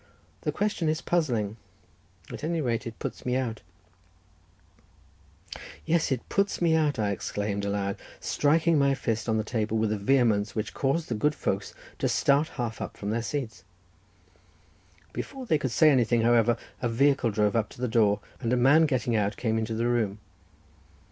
the question is puzzling; at any rate it puts me out—" "Yes, it puts me out!" I exclaimed aloud, striking my fist on the table with a vehemence which caused the good folks to start half up from their seats—before they could say anything, however, a vehicle drove up to the door, and a man, getting out, came into the room.